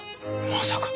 まさか。